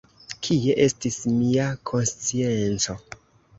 Kie estis mia konscienco!